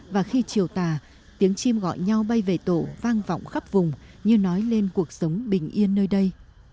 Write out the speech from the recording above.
và khi chiều tà tiếng chim gọi nhau bay về tổ vang vọng khắp vùng như nói lên cuộc sống bình yên nơi đây